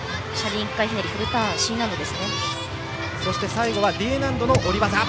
最後はＤ難度の下り技。